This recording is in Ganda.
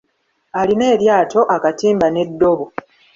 Alina eryato, akatiimba n'eddobo.